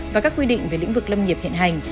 và các quy định về lĩnh vực lâm nghiệp hiện hành